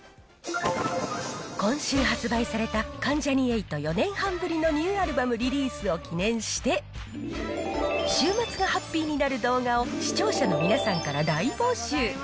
今週発売された関ジャニ∞４年半ぶりのニューアルバムリリースを記念して、週末がハッピーになる動画を視聴者の皆さんから大募集。